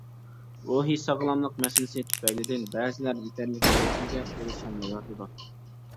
روھىي ساغلاملىق مەسىلىسى تۈپەيلىدىن، بەزىلەر يېتەرلىك ياردەمگە ئېرىشەلمەيۋاتىدۇ.